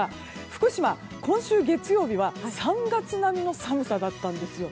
福島、今週月曜日は３月並みの寒さだったんです。